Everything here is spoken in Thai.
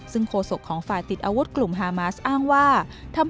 ซึ่งโฆษกของฝ่ายติดอาวุธกลุ่มฮามาสอ้างว่า